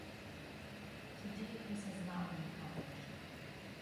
To date this has not been accomplished.